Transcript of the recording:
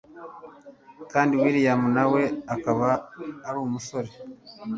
kandi william nawe akaba arumusore